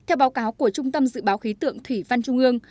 theo báo cáo của trung tâm dự báo khí tượng thủy văn trung ương